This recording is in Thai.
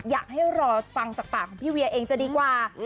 อยากให้รอฟังจากปากของพี่เวียเองจะดีกว่า